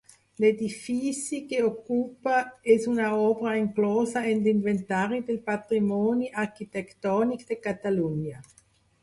L'edifici que ocupa és una obra inclosa en l'Inventari del Patrimoni Arquitectònic de Catalunya.